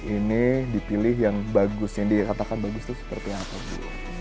ini dipilih yang bagus yang dikatakan bagus itu seperti apa bu